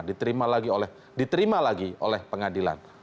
diterima lagi oleh pengadilan